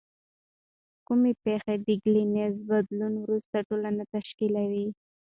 کومې پیښې د کلنیزې بدلون وروسته ټولنه تشکیلوي؟